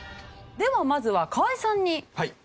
ではまずは河合さんに。